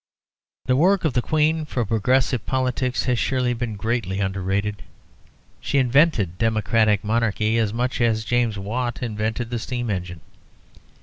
The work of the Queen for progressive politics has surely been greatly underrated. She invented democratic monarchy as much as James Watt invented the steam engine.